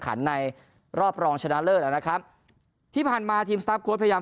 ขันในรอบรองชนะเลิศนะครับที่ผ่านมาทีมสตาร์ฟโค้ดพยายาม